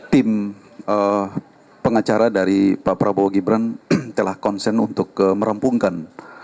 tim pengacara dari pak prabowo gibran telah konsen untuk merampungkan